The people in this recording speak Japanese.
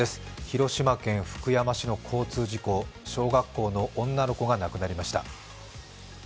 広島県福山市の交通事故、小学校の女の子が亡くなりました。